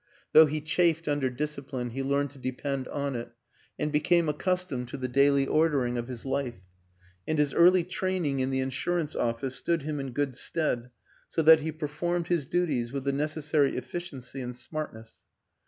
Though he chafed under discipline he learned to depend on it and became accustomed to the daily ordering of his life; and his early training in the insurance office stood him in good stead, so that he performed his duties with the necessary efficiency and smartness.